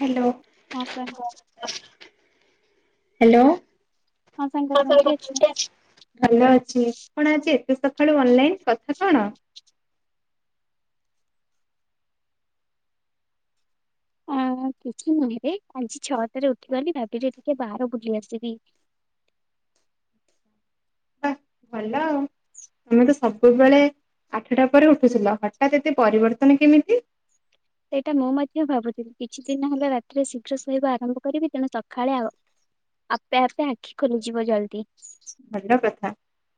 Hello ହଁ ସାଙ୍ଗ hello. [unintelligible] ହଁ ସାଙ୍ଗ ଫ ଭଲ କେମିତି ଅଛ? ଅଛି [unintelligible] କଣ ଆଜି। ସକାଳୁ ଅନଲାଇନ କଥା କଣ? ଆ [inaudible] କିଛି ନୁହେଁ ରେ ଆଜି ଛଅଟାରେ ଉଠିଗଲି [unintelligible] ଭାବରେ ଟିକେ ବାହାର ବୁଲି ଆସିବି। [inaudible] ବା ଭଲ ଆଉ ତମେ ତ ସବୁବେଳେ ଆଠଟା ପରେ ଉଠୁଥିଲ ହଠାତ୍ ଏତେ ପରିବର୍ତ୍ତନ କେମିତି? ସେଇଟା ମୁଁ ମଧ୍ୟ ଭାବୁଥିଲି କିଛି ଦିନ ହେଲା ରାତିରେ ଶୀଘ୍ର ଶୋଇବା ଆରମ୍ଭ କରିବି ତେଣୁ ସକାଳେ ଆଉ ଆପେ ଆପେ ଆଖି ଖୋଲିଯିବ ଜଲ୍ଦି। ଭଲ କଥା।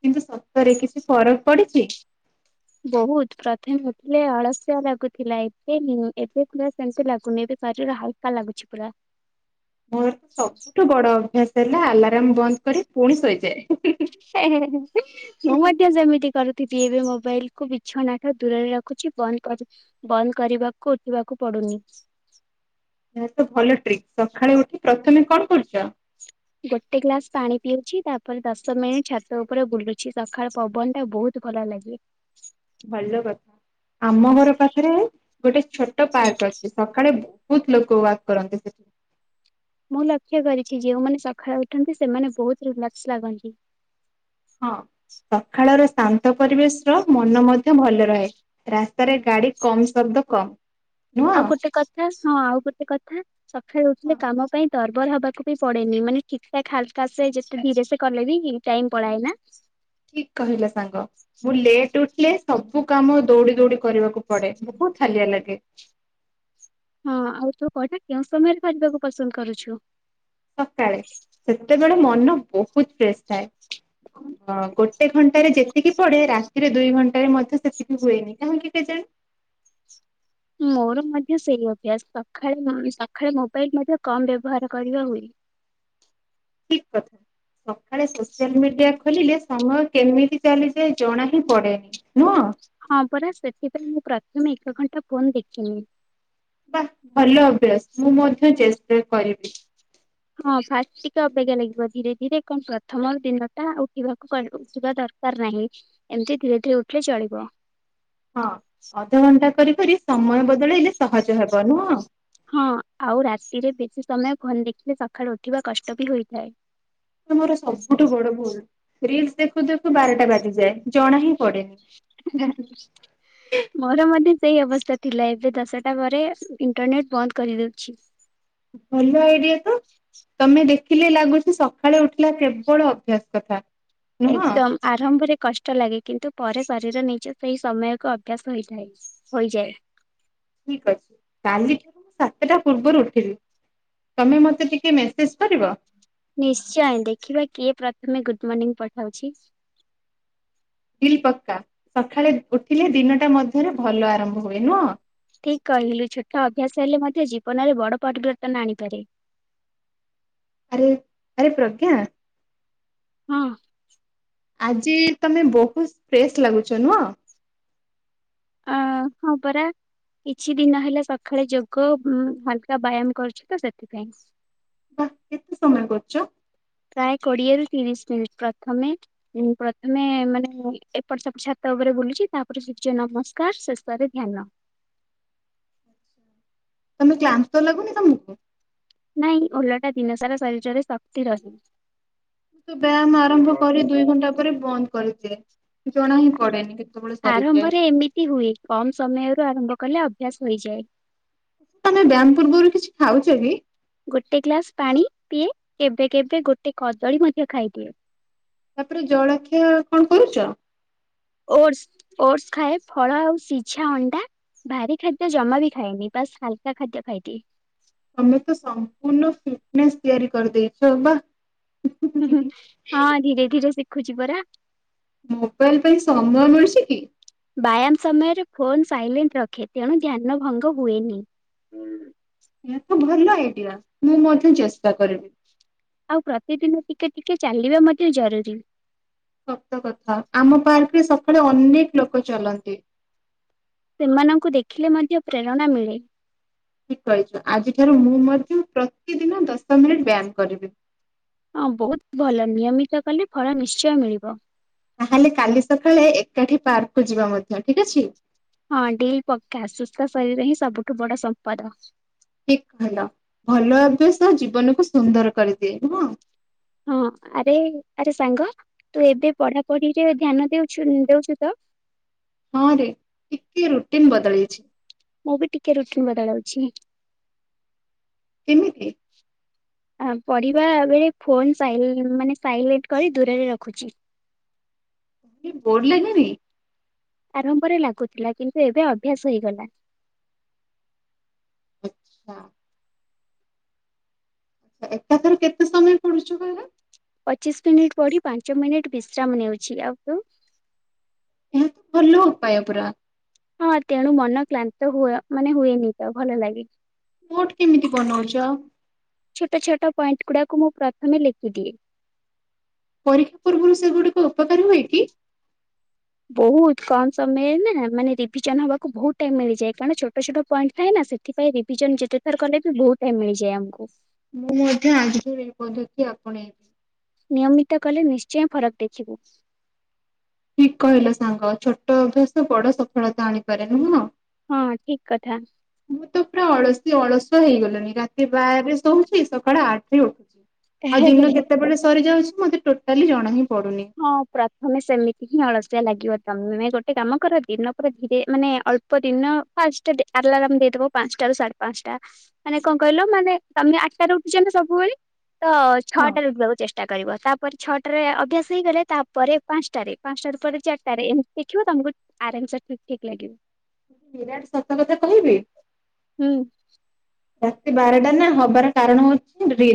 କିନ୍ତୁ ସତରେ କିଛି ଫରକ ପଡିଛି ବହୁତ ପ୍ରଥମେ ଉଠିଲେ ଅଳସୁଆ ଲାଗୁଥିଲା ଏବେ ଏବେ ପୁରା ସେମିତି ଲାଗୁନି ଏବେ ଶିର ଟା ହାଲକା ଲାଗୁଛି ପୁରା। ମୋର ତ ସବୁଠୁ ବଡ ଅଭ୍ୟାସ ହେଲା ଆ ମୁଁ ମଧ୍ୟ ଯେମିତି କରୁଥିଲି। ଏବେ ମୋବାଇଲ କୁ ବିଛଣା ଟା ଦୂରରେ ରଖୁଛି ବନ୍ଦ କରି ବନ୍ଦ କରିବାକୁ ଉଠିବାକୁ ପଡୁନି। ହଁ [inaudible] ଏହା ତ ଭଲ ଟ୍ରିକ୍ ସକାଳେ ଉଠି ପ୍ରଥମେ କଣ କରୁଛ? ଗୋଟେ ଗ୍ଲାସ ପାଣି ପିଉଛି ତାପରେ ଦଶ ମିନିଟ ଛାତ ଉପରେ ବୁଲୁଛି ସକାଳ ପବନ ଟା ବହୁତ ଭଲ ଲାଗେ। ଭଲ କଥା ଆମ ଘର ପାଖରେ ଗୋଟେ ଛୋଟ ପାର୍କ ଅଛି ସକାଳେ ବହୁତ ଲୋକ ୱାକ୍ କରନ୍ତି ସେଠି। ମୁଁ ଲକ୍ଷ୍ୟ କରିଛି ଯେଉଁମାନେ ସକାଳେ ଉଠନ୍ତି ସେମାନେ ବହୁତ ରିଲାକ୍ସ ଲାଗନ୍ତି। ହଁ। ସକାଳର ଶାନ୍ତ ପରିବେଶ ର ମନ ମଧ୍ୟ ଭଲ ରହେ ରାସ୍ତାରେ ଗାଡି କମ ସମ [unintelligible] ଦୁଃୋକ ଆଉ ଗୋଟେ କଥା ହଁ ଆଉ ଗୋଟେ କଥା ସକାଳେ ହଁ। ଉଥିଲେ କାମ ପାଇଁ ତର୍ ବର ହବାକୁ ବି ପଡେନି ମାନେ ଠିକ ଠାକ ହାଲକା ସେ ଯେତେ ଧୀରେ ସେ କଲେ ବି ଇନ୍ ଟାଇମ୍ ପଳାଏ ନା? ଠିକ କହିଲ ସାଙ୍ଗ ମୁଁ ଲେଟ୍ ଉଠିଲେ ସବୁ କାମ ଦୌଡି ଦୌଡି କରିବାକୁ ପଡେ ବହୁତ ହାଲିଆ ଲାଗେ। ହଁ ଆଉ ତୁ [unintelligible] କଟା କେଉଁ ସମୟରେ କରିବାକୁ ପସନ୍ଦ କରୁଛୁ? ସକାଳେ ସେତେବେଳେ ମନ ବହୁତ ଫ୍ରେଶ ଥାଏ। ଗୋଟେ ଘଣ୍ଟାରେ ଯେତିକି ପଡେ ରାତିରେ ଦୁଇ ଘଣ୍ଟାରେ ମଧ୍ୟ ସେତିକି ହୁଏନି କାହିଁକି କେଜାଣି। [inaudible] ମୋର ମଧ୍ୟ ସେଇ ଅଭ୍ୟାସ ସକାଳେ ସକାଳେ ମୋବାଇଲ ମଧ୍ୟ କମ ବ୍ୟବହାର କରିବା ହୁଏ। ଠିକ କଥା ସକାଳେ ସୋସିଆଲ ମିଡିଆ। ଖୋଲିଲେ ସମୟ କେମିତି ଚାଲିଯାଏ ଜଣା ହିଁ ପଡେନି ନୁହଁ। ହଁ ପରା ସେଥିପାଇଁ ମୁଁ ପ୍ରଥମେ ଏକ ଘଣ୍ଟା ଫୋନ୍ ଦେଖିନି। ବା ଭଲ ଅଭ୍ୟାସ ମୁଁ ମଧ୍ୟ ଚେଷ୍ଟା କରିବି। ହଁ ଫାଟ ଟିକେ ଅବାଗିଆ ଲାଗିବ ଧୀରେ ଧୀରେ କଣ ପ୍ରଥମ ଦିନ ଟା ଉଠିବାକୁ ଉସ ଦରକାର। ଦରକାର ନାହିଁ ଏମିତି ଧୀରେ ଧୀରେ ଉଠିଲେ ଚଳିବ। ହଁ ଅଧଘଣ୍ଟା କରି କରି ସମୟ ବ ବଦଳେଲେ ସହଜ ହବ ନୁହଁ। ହଁ ଆଉ ରାତିରେ ବେଶୀ ସମୟ ଫୋନ ଦେଖିଲେ ସକାଳେୁ ଉଠିବା କଷ୍ଟ ବି ହୋଇଥାଏ। ମୋର ସବୁଠୁ ବଡ ଭୁଲ ରିଲସ ଦେଖୁ ଦେଖୁ ବାରଟା ବାଜିଯାଏ ଜଣା ହିଁ ପଡେନି। ମୋର ମଧ୍ୟ୍ୟ ସେଇ ଅବସ୍ଥା ଥିଲା ଏବେ ଦଶଟା ପରେ ଇଣ୍ଟରନେଟ ବନ୍ଦ କରିଦଉଛି। ଭଲ ଆଇଡିଆ ତ ତମେ ଦେଖିଲେ ଲାଗୁଛି ସକାଳେ ଉଠିଲେ କେବଳ ଅଭ୍ୟାସ କଥା। ନୁହଁ ଏକଦମ ଆରମ୍ଭରେ। କଷ୍ଟ ଲାଗେ କିନ୍ତୁ ପରେ ଶାରୀର ନିଜେ ସେଇ ସମୟକୁ ଅଭ୍ୟାସ ହେଇଯଏ ହୋଇଯାଏ। ଠିକ ଅଛି କାଲିଠାରୁ ମୁଁ ସାତଟା ପୂର୍ବରୁ ଉଠିବି ତମେ ମତେ ଟିକେ ମେସେଜ କରିବ। ନିଶ୍ଚୟ ଦେଖିବା କିଏ ପ୍ରଥମେ ଗୁଡ୍ ମର୍ଣ୍ଣିଂ ପଠାଉଛି। ବିଲ୍ ପକ୍କା ସକାଳେ ଉଠିଲେ ଦିନଟା ମଧ୍ୟରେ ଭଲ ଆରମ୍ଭ ହୁଏ ନୁହଁ। ଠିକ କହିଲୁ ଛୋଟ ଅଭ୍ୟାସ ହେଲେ ମଧ୍ୟ ଜୀବନରେ ବଡ ପରିବର୍ତ୍ତନ ଆଣିପାରେ। ଆରେ ଆରେ ପ୍ରଜ୍ଞା। ହଁ। ଆଜି ତମେ ବହୁତ ଫ୍ରେଶ ଲାଗୁଛ ନୁହଁ। ଅ ହଁ ପରା। କିଛି ଦିନ ହେଲା ସକାଳେ ଯୋଗ ହାଲକା ବ୍ୟାୟାମ କରୁଛି ତ ସେଥିପାଇଁ। ବା କେତେ ସମୟ କରୁଛ। ପ୍ରାୟ କୋଡିଏରୁ ତିରିଶ ମିନିଟ୍ ପ୍ରଥମେ ପ୍ରଥମେ ମାନେ ଏପଟ ସେପଟ ଛତ ଉପରେ। ଉପରେ ବୁଲିକି ତାପରେ ସୂଯ୍ୟ ନମସ୍କାର ଶେଷରେ ଧ୍ୟ୍ୟନ। ତମେ କ୍ଲାନ୍ତ ଲାଗୁନି ତମକୁ। ନାଇଁ ଓଲଟା ଦିନ ସାରା ଶରୀରରେ ଶକ୍ତି ରହେ। ମୁଁ ତ ବ୍ୟାୟାମ ଆରମ୍ଭ କରି ଦୁଇ ଘଣ୍ଟା ପରେ ବନ୍ଦ କରିଦିଏ। ଜଣା ହିଁ ପଡେନି କେତେବେଳେ ସରିଯାଏ। ଆରମ୍ଭରେ ଏମିତି ହୁଏ କମ ସମୟରୁ ଆରମ୍ଭ କଲେ ଅଭ୍ୟାସ ହୋଇଯଏ। ତମେ ବ୍ୟମ ପୂର୍ବରୁ କିଛି ଖାଉଛ କି। ଗୋଟେ ଗ୍ଲାସ ପାଣି ପିଏ କେବେ କେବେ ଗୋଟେ କଦଳୀ ମଧ୍ୟ ଖାଇଦିଏ। ତାପରେ ଜଳାଖୟ କଣ କରୁଛ। ଓଟସ ଓଟସ ଖାଏ ଫଳ ଆଉ ସିଝା ଅଣ୍ଡା। ଭାରି ଖାଦ୍ୟ ଜମା ବି ଖାଇନି ବସ୍ ହଲକା ଖାଦ୍ୟ ଖାଇଦିଏ। ତମେ ତ ସମ୍ପୂର୍ଣ୍ଣ [inaudible] ତିଆରି କରିଦେଇଛ ବା। ହଁ ଧୀରେ ଧୀରେ ଶିଖୁଛି ପରା। ମୋବାଇଲ ପାଇଁ ସମୟ ମିଳୁଛି କି। ବ୍ୟାୟାମ ସମୟରେ ଫୋନ ସାଇଲେଣ୍ଟ ରଖେ ତେଣୁ ଧ୍ୟ୍ୟନ ଭଙ୍ଗ ହୁଏନି। ଏହା ତ ଭଲ ଆଇଡିଆ ମୁଁ ମଧ୍ୟ ଚେଷ୍ଟା କରିବି। ଆଉ ପ୍ରତିଦିନ ଟିକେ ଟିକେ ଚାଲିବା ମଧ୍ୟ ଜରୁରୀ। ସତ କଥା ଆମ ପାର୍କରେ ସକାଳେ ଅନେକ ଲୋକ ଚଲନ୍ତି। ସେମାନଙ୍କୁ ଦେଖିଲେ ମଧ୍ୟ ପ୍ରେରଣା ମିଳେ। ଠିକ୍ କହିଛ ଆଜିଠାରୁ ମୁଁ ମଧ୍ୟ ପ୍ରତିଦିନ ଦଶ ମିନିଟ୍ ବ୍ୟାୟାମ କରିବି। ହଁ ବହୁତ୍ ଭଲ ନିୟମିତ କଲେ ଫଳ ନିଶ୍ଚୟ ମିଳିବ। ତାହେଲେ କାଲି ସକାଳେ ଏକାଠି ପାର୍କକୁୁ ଯିବା ମଧ୍ୟ ଠିକ୍ ଅଛି। ହଁ ଡିଲ୍ ପକ୍କା ସୁସ୍ଥ ଶରୀର ହିଁ ସବୁଠୁ ବଡ଼ ସମ୍ପଦ। ଠିକ୍ କହିଲ ଭଲ ଅଭ୍ୟାସ ଜୀବନକୁ ସୁନ୍ଦର କରିଦିଏ ନୁହଁ? ହଁ ଆରେ ଆରେ ସାଙ୍ଗ ତୁ ଏବେ ପଢ଼ାପଢ଼ି ରେ ଧ୍ୟାନ ଦଉଛୁ ଦଉଛୁ ତ। ହଁ ରେ ଟିକେ ରୁଟିନ୍ ବଦଲେଇଛି। ମୁଁ ବି ଟିକେ ରୁଟିନ୍ ବଦଲଉଛି। କେମିତି? ପଢ଼ିବା ବଳେ ଫୋନ ସାଇ ମାନେ ସାଇଲେଣ୍ଟ୍ କରି ଦୂରରେ ରଖୁଛି। ବୋର୍ ଲାଗେନି? ଆରମ୍ଭରେ ଲାଗୁଥିଲା କିନ୍ତୁ ଏବେ ଅଭ୍ୟାସ ହେଇଗଲା। ଆଚ୍ଛା। ଏକାଥର କେତେ ସମୟ ପଢୁଛ କହିଲ? ପଚିଶି ମିନିଟ ପଢ଼ି ପାଞ୍ଚ ମିନିଟ୍ ବିଶ୍ରାମ ନେଉଛି ଆଉ ତୁ? ଏହା ତ ଭଲ ଉପାୟ ପୁରା। ହଁ ତେଣୁ ମନ କ୍ଲାନ୍ତ ହୁଏ ମାନେ ହୁଏନି ତ ଭଲ ଲାଗେ। ନୋଟ୍ କେମିତି ବନଉଚ? ଛୋଟ ଛୋଟ ପଏଣ୍ଟ ଗୁଡାକୁ ମୁଁ ପ୍ରଥମେ ଲେଖିଦିଏ। ପରୀକ୍ଷା ପୂର୍ବରୁ ସେଗୁଡ଼ିକ ଉପକାର ହୁଏ କି? ବହୁତ୍ କମ ସମୟରେ ନା ମାନେ ରିଭିଜନ ହବାକୁ ବହୁତ୍ ଟାଇମ ମିଳିଯାଏ କାରଣ ଛୋଟ ଛୋଟ ପଏଣ୍ଟ ଥାଏ ନା। ସେଥିପାଇଁ ରିଭିଜନ ଯେତେଥର କଲେ ବି ବହୁତ୍ ଟାଇମ ମିଳିଯାଏ ଆମକୁ। ମୁଁ ମଧ୍ୟ ଆଜିଠୁ ଏଇ ପଦ୍ଧତି ଆପଣେଇବି। ନିୟମିତ କଲେ ନିଶ୍ଚୟ ଫରକ ଦେଖିବୁ। ଠିକ୍ କହିଲ ସାଙ୍ଗ ଛୋଟ ଅଭ୍ୟାସ ବଡ଼ ସଫଳତା ଆଣିପାରେ ନୁହଁ? ହଁ ଠିକ୍ କଥା। ମୁଁ ତ ପୁରା ଅଳସୀ ଅଳସୁଆ ହେଇଗଲଣି ରାତି ବାରରେ ଶୋଉଛି ସକାଳ ଆଠରେ ଉଠୁଚି। ଆଉ ଦିନ କଥା। କେତେବେଳେ ସରିଯାଉଛି ମତେ ଟୋଟାଲି ଜଣା ହିଁ ପଡୁନି। ହଁ ପ୍ରଥମେ ସେମି ହଁ ଅଳସୁଆ ଲାଗିବ ତମେ ଗୋଟେ କାମ କର ଦିନକୁ ଧୀରେ ମାନେ ଅଳ୍ପ ଦିନ ଫାଷ୍ଟ ଆଲାରାମ୍ ଦେଇଦବ ପାଞ୍ଚଟା ରୁ ସାଢେ ପାଞ୍ଚଟା ମାନେ କଣ କହିଲ ମାନେ ତମେ ଆଠଟା ରେ ଉଠିଛ ନା ସବୁବେଳେ। ତ ହଁ ଛଅଟା ରେ ଉଠିବାକୁ ଚେଷ୍ଟା କରିବ ତାପରେ ଛଅଟାରେ ଅଭ୍ୟାସ ସେଇ ଗଲେ ତାପରେ ପାଞ୍ଚଟାରେ ପାଞ୍ଚଟା ପରେ ଚାରିଟାରେ ଏମିତି ଦେଖିବ ତମକୁ ଆରାମ ସେ ଠିକ୍ ଲାଗିବ। ବିରାଟ ସତ କଥା କହିବି ହୁଁ। ରାତି ବାରଟା ନା ହବାର କାରଣ ହଉଛି ରି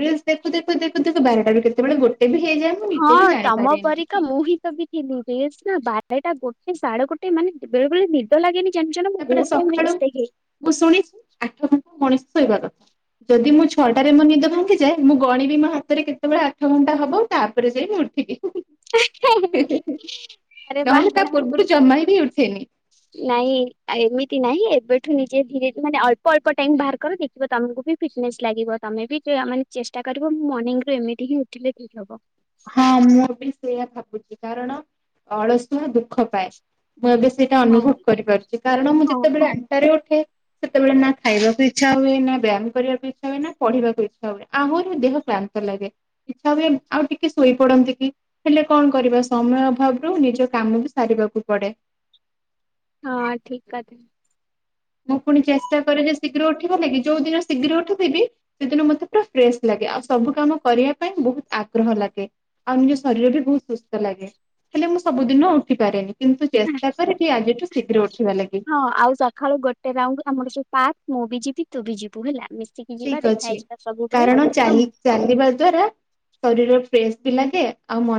ରିଲସ୍ ଦେଖୁ ଦେଖୁ ଦେଖୁ ଦେଖୁ ବାରଟାରୁ କେତେବେଳେ ଗୋଟେ ବି ହେଇଯାଏ ମୁଁ ନିଜେ ବି ହଁ ତମ ଜାଣିପାରେନି। ପରିକା ମୁଁ ହିଁ ତ ବି ଥିଲି ରି ନା ବାରଟା ଗୋଟେ ସାଢେ଼ଗୋଟେ ମାନେ ବେଳେ ବେଳେ ନିଦ ଲାଗେନି ଜାଣିଚ ନା ମୁଁ ତାପରେ ବହୁତ୍ ଟାଇମ୍ ସକାଳୁ ରିଲସ୍ ଦେଖେ। ମୁଁ ଶୁଣିଚି ଆଠ ଘଣ୍ଟା ମଣିଷ ଶୋଇବା କଥା ଯଦି ମୁଁ ଛଅଟାରେ ମୋ ନିଦ‌ ଭାଙ୍ଗେ ଯେ ମୁଁ ଗଣିବି ମୋ ହାତରେ କେତେବେଳେ ଆଠ ଘଣ୍ଟା ହବ ତାପରେ ଯାଇ ମୁଁ ଉଠିବି। ଆରେ ବା ନହେଲେ ତା ପୂର୍ବରୁ ଜମା ବି ଉଠ ନାଇଁ ଏମିତି ନାହିଁ ଏବେଠୁ ନିଜେ ଧୀରେ ମାନେ ଅଳ୍ପ ଅଳ୍ପ ଟାଇମ୍ ବାହାର କର ଦେଖିବ ତମକୁ ଫିଟନେସ୍ ଲାଗିବ ତମେ ବି ମାନେ ଚେଷ୍ଟା କରିବ ମୁଁ ମର୍ନିଙ୍ଗ୍ ରୁ ଏମିତି ହିଁ ଉଠିଲେ ଠିକ୍ ହବ। ହଁ ମୁଁ ବି ସେଇୟା ଭାବୁଛି କାରଣ ଅଳସୁ ଆ ଦୁଃଖ ପାଏ ମୁଁ ଏବେ ସେଇଟା ହଁ। ଅନୁଭବ କରିପାରୁଛି କାରଣ ମୁଁ ହଉ ଯେତେବେଳେ ଆଠଟା ରେ ଉଠେ ସେତେବେଳେ ନା ଖାଇବାକୁ ଇଚ୍ଛା ହୁଏ ନା ବ୍ୟାୟାମ କରିବାକୁ ଇଚ୍ଛା ହୁଏ ନା ପଢିବାକୁ ଇଛା ହୁଏ‌ ଆହୁରି ଦେହ ପା କ୍ଳାନ୍ତ ଲାଗେ ଇଚ୍ଛା ହୁଏ ଆଉ ଟି କେ ଶୋଇପଡନ୍ତି କି ହେଲେ କଣ କରିବା ସମୟ ଅଭାବରୁ ନିଜ କାମ ବି ସାରିବାକୁ ପଡ଼େ। [inaudible] ହଁ ଠିକ୍ କଥା। ମୁଁ ପୁଣି ଚେଷ୍ଟା କରେ ଯେ ଶୀଗ୍ର ଉଠିଥିବି ଲାଗି ଯୋଉ ଦିନ ଶୀଗ୍ର ଉଠଥିବି ସେଦିନ ମତେ ପୁରା ଫ୍ରେସ୍ ଲାଗେ। ଆଉ ସବୁ କାମ କରିବା ପାଇଁ ବହୁତ ଆଗ୍ରହ ଲାଗେ ଆଉ ନିଜ ଶରୀର ବି ବହୁତ୍ ସୁସ୍ଥ ଲାଗେ। ହେଲେ ମୁଁ ସବୁଦିନ ଉଠିପାରେନି। କିନ୍ତୁ ଚେଷ୍ଟା କରିବି ଆଜିଠୁ ଶୀଗ୍ର ଉଠିବା ଲାଗି। ଟେରାଉଣ୍ଡୁ ଆମର ସେଯୁ ପାର୍କ ମୁଁ ବି ଯିବି ତୁ ବି ଯିବୁ ହେଲା। ମିଶିକି ଯିବା ଠିକ୍ ଦେଖା ଅଛି ହେଇଯିବା ସବୁବେଳେ କାରଣ ତ ଚାଲି ଚାଲିବା ଦ୍ଵାରା ଶରୀର ଫ୍ରେସ୍ ବି ଲାଗେ ଆଉ ମ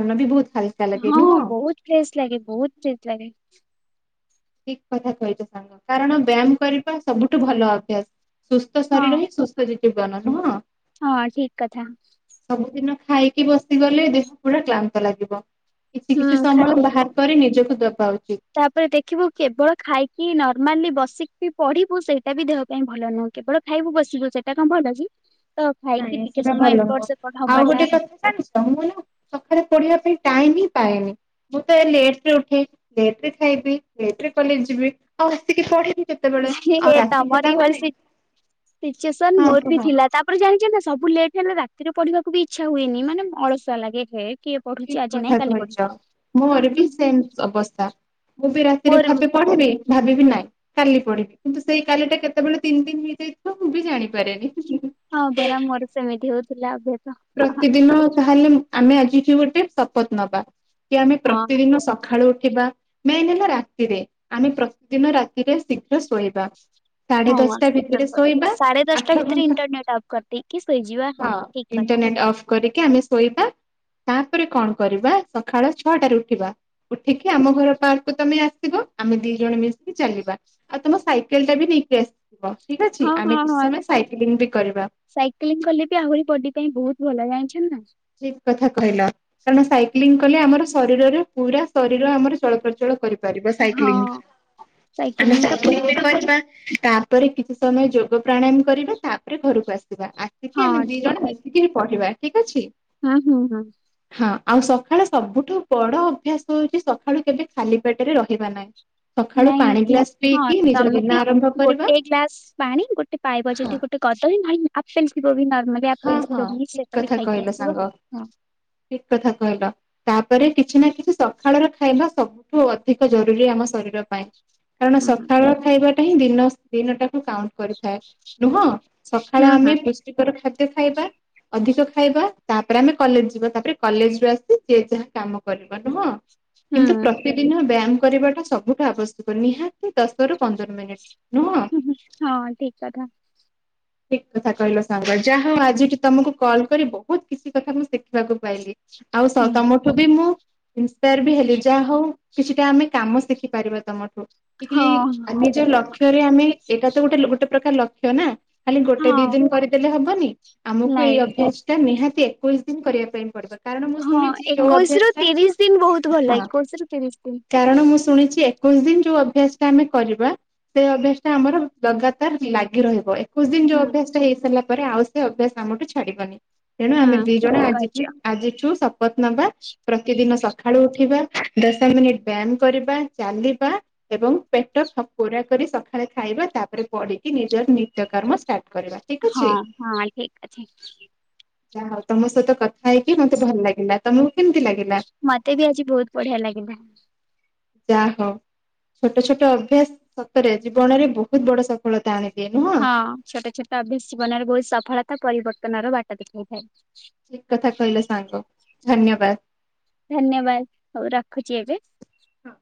ହଁ ବହୁତ୍ ଫ୍ରେସ୍ ଲାଗେ ବହୁତ ଫ୍ରେସ୍ ଲାଗେ। ଠିକ୍ କଥା କହିଛ ସାଙ୍ଗ କାରଣ ବ୍ୟାମ୍ କରିବା ସବୁଠୁ ଭଲ ଅଭ୍ୟାସ। ସୁସ୍ଥ ହଁ ଶରୀର ହିଁ ସୁସ୍ଥ ଜୀବନ ନୁହଁ? ହଁ ଠିକ୍ କଥା। ସବୁଦିନ ଖାଇକି ବସି ଗଲେ ଦେହ ପୁରା କ୍ଳାନ୍ତ ଲାଗିବ! କିଛି ହୁଁ କିଛି ଖା ସମୟ ବାହାର କରି ନିଜକୁ ଦବା ଉଚିତ୍। ତାପରେ ଦେଖିବୁ କେବଳ ଖାଇକି ନର୍ମାଲି ବସିକି ପଢିବୁ ସେଇଟା ବି ଦେହ ପାଇଁ ଭଲ ନୁହେଁ କେବଳ ଖାଇବୁ ବସିବୁ ସେଟା କଣ ଭଲ କିସେ ନାଇଁ ସେଇଟା ଭଲ ନୁହଁ ଆଉ ହବାଟା ଗୋଟେ କଥା ଜାଣିଚ ମୁ ନୁ ସଖାଳେ ପଢିବା ପାଇଁ ଟାଇମ୍ ହିଁ ପାଏନି ମୁଁ ତ ଲେଟ୍ ଉଠେ ଲେଟ୍ ଖାଇବି ଲେଟ୍ର ରେ କଲେଜ୍ ଯିବି ବସିକି ପଢିବି କେତେବେଳେ ନାଁ ହି ଆଉ ଏ ରାତି ହେଲା ତମରୀ ଭଳି ମାନେ ସି ସିଚେସନ୍ ହଁ ମୋର କୁହ ବି ଥିଲା ତା ପଣ ଜାଣିଛନ୍ତି ସବୁ ଲେଟ୍ ହେଲା ରାତିରେ ପଢିବାକୁ ବି ଇଛା ହୁଏନି ମାନେ ଅଳସୁଆ ଲାଗେ ଏହେ ଠିକ୍ କଥା କହିଛ ମୋର ବି ସେମ୍ ଶ୍ ଅବସ୍ଥା। ମୁଁ ବି ରାତିରେ ମୋର ବି ଭାବେ ପଢିବି ଭାବିବି ନାହିଁ କାଲି ପଢିବି କିନ୍ତୁ ସେଇ କାଲିଟା କେତେବେଳେ ତିନ୍ ଦିନ୍ ହେଇଯାଇଥିବ ମୁଁ ବି ଜାଣିପାରେନି। ହଁ ପରା ମର ସେମିତି ହଉଥିଲା ଅଭ୍ୟାସ। ପ୍ରତିଦିନ ତାହେଲେ ଆମେ ଆଜିଠୁ ଗୋଟେ ଶପଥ ନବା। କି ଆମେ ହଁ ପ୍ରତିଦିନ ସଖାଳୁ ଥିବା ନାଁଇ ମାନେ ରାତିରେ ଆମେ ପ୍ରତିଦିନ ରାତିରେ ଶୀଘ୍ର ଶୋଇବା। ସାଢେ ହଁ ୱ ଦଶଟା ଶୀଘ୍ର ଭିତରେ ହୁଏ ଶୋଇବା ସାଢେ ଆଠ ଦଶଟା ଭିତରେ ଘଣ୍ଟା ଇଣ୍ଟରନେଟ୍ ଅଫ୍ କରିଦିଏକି ଶୋଇଯିବା ହଁ ଠିକ୍ କ ଇଣ୍ଟରନେଟ୍ ଅଫ୍ କରିକି ଆମେ ଶୋଇବା ତାପରେ କଣ କରିବା ସକାଳ ଛଅଟାରେ ଉଠିବା ଉଠିକି ଆମ ଘର ପାର୍କ ତମେ ଆସିବ ଆମେ ଦି ଜଣ ମିଶିକି ଚାଲିବା ଆଉ ତମ ସାଇକେଲ୍ ଟା ବି ନେଇକି ଆସ ବ ଠିକ୍ ଅଛି, ହଁ ଆମେ ହଁ କିଛି ହଁ ସମୟ ସାଇକେଲିଙ୍ଗ ବି କରିବା। ସାଇକେଲିଂ କଲେ ବି ଆହୁରି ବଡି ପାଇଁ ବହୁତ୍ ଭଲ ଜାଇଣିଛ ନା? ଠିକ୍ କଥା କହିଲ। କାରଣ ସାଇକେଲିଙ୍ଗ କଲେ ଆମର ଶରୀରରୁ ପୁରା ଶରୀର ଆମର ଚଳପ୍ରଚଳ କରିବ। କରିବ ସାଇକେଲିଙ୍ଗ ହଁ। ଦ୍ଵାରା ଆମେ ସାଇକେଲିଂ ଟା ପୁଣି ସାଇକେଲିଙ୍ଗ ତ କରିବା ତାପରେ କିଛି ସମୟ ଯୋଗ ପ୍ରାଣାୟମ୍ କରିବା ତାପରେ ଘରକୁ ଆସ ସିବା ଆସିକି ହଁ ଆମେ ଦି ଠିକ ଜଣ ଅଛି। ମିଶିକି ହି ପଢିବା ଠିକ୍ ଅଛି। ହୁଁ ହୁଁ ହୁଁ। ହ ଆଉ ସକାଳ ସବୁଠୁ ବଡ ଅଭ୍ୟାସ ହଉଛି ସକାଳୁ କେବେ ଖାଲି ପେଟରେ ରହିବା ନାଇଁ। ନାଇଁ ହଁ ନିଜର ତମେ ଦିନ ବି ଆରମ୍ଭ କରିବା ଗୋଟେ ଗ୍ଲାସ ପାଣି ଗୋଟେ ପାଇବ ହଁ ଯଦି ଗୋଟେ କଦ ହିଁ ଭାଇଂ ନର୍ମାଲି ହଁ ଆପେଶ୍ ହଁ ସେଇଟା ବି ଖାଇକି ଆସିଥିବ ହଁ। ଠିକ୍ କଥା କହିଲ ତାପରେ କିଛି ନା କିଛି ସଖାଳର ଖାଇବା ସବୁଠୁ ଅଧିକ ଜରୁରୀ ଆମ ଶରୀର ପାଇଁ କାରଣ ହୁଁ ହୁଁ ସଖାଳ ଖାଇବା ଟା ହିଁ ଦିନ ଦିନଟାକୁ କାଉଣ୍ଟ କରିଥାଏ ନୁହଁ ସକାଳେ ହୁଁ ଆମେ ହୁଁ ପୁଷ୍ଟିକର ଖାଦ ତେ ଖାଇବା। ଅଧିକ ଖାଇବା ତାପରେ ଆମେ କଲେଜ୍ ଯିବା ତାପରେ କଲେଜ୍ ରୁ ଆସି ସିଏ ଯାହା କାମ କରିବ ନୁହଁ। କିନ୍ତୁ ହୁଁ। ପ୍ରତିଦିନ ବ୍ୟାମ କରିବାଟା ସବୁଠା ଆବଶ୍ୟକ ନିହାତି ଦଶ ରୁ ପନ୍ଦର ମିନିଟ୍। ନୁହଁ। ହଁ ଠିକ କଥା ଠିକ କଥା କହିଲ ସାଙ୍ଗରା ଯାହା ହଉ ଆଜିଠି ତମକୁ କଲ କରି ବହୁତ କିଛି କଥା ମୁଁ ଶିଖିବାକୁ ପାଇଲି। ଆଉ ହୁଁ ସତାମଠୁ ବି ମୁଁ [inaudible] ଇନ୍ସପାୟାର ବି ହେଲି, ଯାହା ହଉ କିଛିଟା ଆମେ କାମ ଶିଖିପାରିବା ତମଠୁ କି ହଁ। ନିଜ ଲକ୍ଷ୍ୟରେ ଆମେ, ଏଇଟା ତ ଗୋଟେ ଗୋଟେ ପ୍ରକାର ଲକ୍ଷ୍ୟ ନା ଖାଲି ଗୋଟେ ଦି ହଁ ଦିନ କରିଦେଲେ ହବନି, ଆମକୁ ଏଇ ନାଇଁ ଅଭ୍ୟାସ ଟା ନିହାତି କୋଇ [unintelligible] ଦିନ କରିବା ପାଇଁ ପଡିବ। କାରଣ, ମୁଁ ହଁ ଶୁଣିଛି ଯୋଉ ଏକୋଇଶି ଅଭ୍ୟାସ ରୁ ଟା, ତିରିଶ ଦିନ ବହୁତ ଭଲ ହଁ ଏକୋଇଶି ରୁ ତିରିଶ ଦିନ। କାରଣ ମୁଁ ଶୁଣିଛି ଏକ ଦିନ ଯୋଉ ଅଭ୍ୟାସ ଟା ଆମେ କରିବା ସେଇ ଅଭ୍ୟାସ ଟା ଆମର ଲଗାତାର ଲାଗି ରହିବ। କଛି ଦିନ ହୁଁ ଯୋ ଅଭ୍ୟାସ ହେଇସାରିଲା ପରେ, ଆଉ ସେ ଅଭ୍ୟାସ ଆମଠୁ ଛାଡିବନି ତେଣୁ ଆମେ ହୁଁ। ଦି ଜଣ, ଠିକ କହିଛ ଆଜିଠୁ ଆଜିଠୁ ଶପଥ ନବା ପ୍ରତିଦିନ ସକାଳୁ ଉଠିବା ଦଶ ମିନିଟ ବ୍ୟାୟାମ କରିବା, ଚାଲିବା ଏବଂ ପେଟ ପୋରା କରି ସକାଳେ ଖାଇ ତାପରେ ପଡିକି ନିଜର ନିତ୍ୟକର୍ମ ସାର୍ ହଁ ହଁ ଠିକ ଅଛି। ଯାହା ହଉ ତମ ସହିତ କଥା ହେଇକି ମତେ ଭଲ ଲାଗିଲା, ତମକୁ କେମତି ମତେ ବି ଆଜି ବହୁତ ବଢିଆ ଲାଗିଲା। ଯା ହଉ ଛୋଟ ଛୋଟ ଅଭ୍ୟାସ ସତରେ ଜୀବନରେ ବହୁତ ବଡ ସଫଳତା ଆଣେ। ହଁ ଛୋଟ ଛୋଟ ଅଭ୍ୟାସ ଜୀବନରେ ବହୁତ ସଫଳତା ପରିବର୍ତ୍ତନର ବାଟ ଦେଖାଇଥାଏ। ଠିକ କଥା କହିଲ ସାଙ୍ଗ, ଧନ୍ୟବାଦ। ଧନ୍ୟବାଦ, ହଉ ରଖୁଛି ଏବେ ହଁ